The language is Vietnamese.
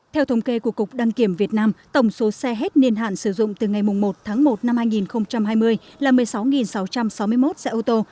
theo thống kê của cục đăng kiểm việt nam tổng số xe hết niên hạn sử dụng từ ngày một tháng một năm hai nghìn hai mươi là một mươi sáu sáu trăm sáu mươi một xe ô tô